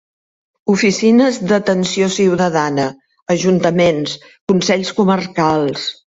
Oficines d'atenció ciutadana, ajuntaments, consells comarcals...